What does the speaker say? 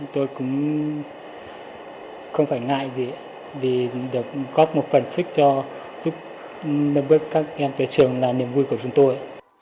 tôi cũng không phải ngại gì vì được góp một phần sức cho giúp các em tới trường là niềm vui của chúng tôi